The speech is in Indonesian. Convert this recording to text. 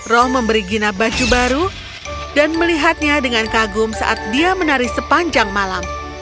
roh memberi gina baju baru dan melihatnya dengan kagum saat dia menari sepanjang malam